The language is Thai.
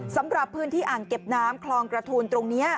สำหรับพื้นที่อ่างเก็บน้ำคลองกระทูลตรงนี้